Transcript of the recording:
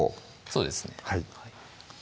そうですね